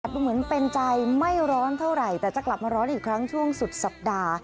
ดูเหมือนเป็นใจไม่ร้อนเท่าไหร่แต่จะกลับมาร้อนอีกครั้งช่วงสุดสัปดาห์